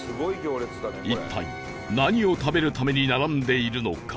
一体何を食べるために並んでいるのか？